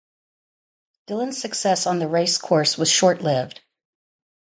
Dillon's success on the racecourse was short lived.